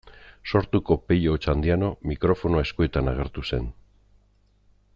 Sortuko Pello Otxandiano mikrofonoa eskuetan agertu zen.